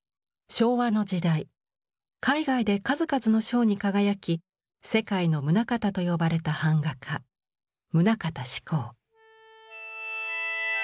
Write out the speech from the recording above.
昭和の時代海外で数々の賞に輝き「世界のムナカタ」と呼ばれた板画家棟方志功。